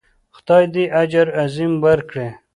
خدای دې اجر عظیم ورکړي.